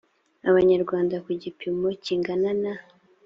abanyarwanda ku gipimo kingana na